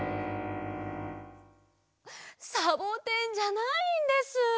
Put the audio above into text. サボテンじゃないんです。